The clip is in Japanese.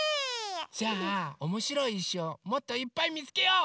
じゃあおもしろいいしをもっといっぱいみつけよう！